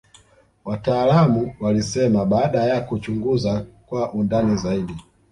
wataalamu walisema baada ya kuchunguza kwa undani zaidi